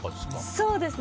そうですね。